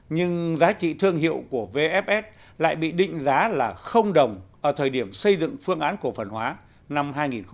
nhưng giá trị thương hiệu của vfs lại bị định giá là đồng ở thời điểm xây dựng phương án cổ phần hóa năm hai nghìn một mươi năm